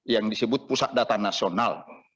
yang disebut pusat data nasional